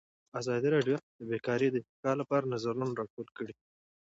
ازادي راډیو د بیکاري د ارتقا لپاره نظرونه راټول کړي.